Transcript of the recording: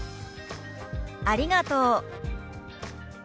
「ありがとう」。